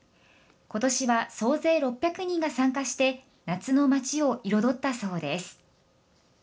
今年は総勢６００人が参加して夏の街を彩ったそうです。